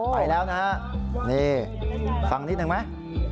ไปแล้วนะฮะนี่ฟังนิดนึงไหม